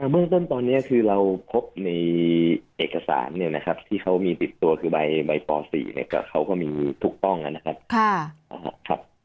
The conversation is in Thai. เบื้องต้นตอนนี้คือเราพบในเอกสารเนี่ยนะครับที่เขามีติดตัวคือใบป๔เขาก็มีถูกต้องนะครับ